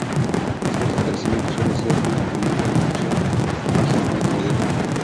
Las causas del crecimiento suelen ser un experimento, una poción, magia o un poder.